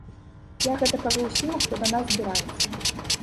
Я гэта кажу ўсім, хто да нас збіраецца.